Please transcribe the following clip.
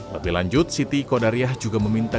lebih lanjut siti kodariah juga meminta